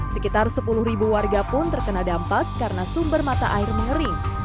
sekitar sepuluh ribu warga pun terkena dampak karena sumber mata air mengering